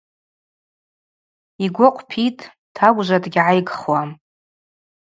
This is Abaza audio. Йгвы акъвпитӏ, тагвжва дгьгӏайгхуам.